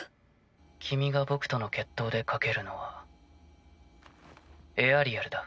君が僕との決闘で賭けるのはエアリアルだ。